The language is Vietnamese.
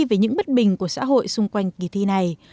về những bất bình của xã hội xung quanh kỳ thi này